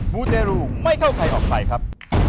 มูเตรูไม่เข้าใครออกใครครับ